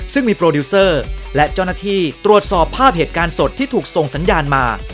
ซึ่งมีโปรดิวเซอร์และเจ้าหน้าที่ตรวจสอบภาพเหตุการณ์สดที่ถูกส่งสัญญาณมา